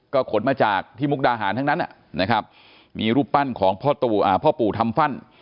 ก็ขนมาจากที่มุกดาหารทั้งนั้นนะครับมีรูปปั้นของพ่อปู่ทำฟั่น